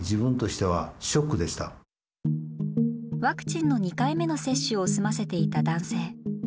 ワクチンの２回目の接種を済ませていた男性。